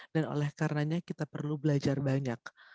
dan oleh karenanya kita perlu belajar banyak